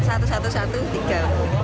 satu satu satu tiga